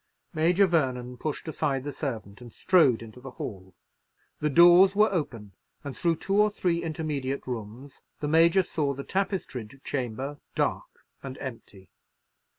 Major Vernon pushed aside the servant, and strode into the hall. The doors were open, and through two or three intermediate rooms the Major saw the tapestried chamber, dark and empty.